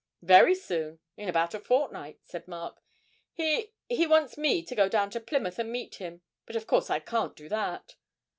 'Very soon; in about a fortnight,' said Mark; 'he he wants me to go down to Plymouth and meet him, but of course I can't do that.'